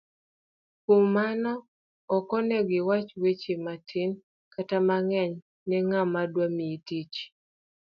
Kuom mano, okonego iwach weche matin kata mang'eny ne ng'ama dwami tich.